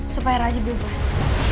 supaya raja bebas